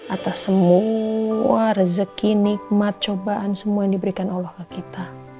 atas semua rezeki nikmat cobaan semua yang diberikan allah ke kita